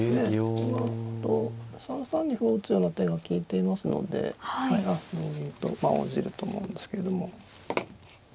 このあと３三に歩を打つような手が利いていますので同銀と応じると思うんですけれども。